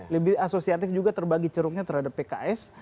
lebih asosiatif juga terbagi ceruknya terhadap pks